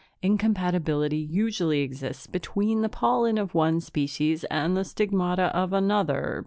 Incompatibility usually exists between the pollen of one species and the stigmata of another.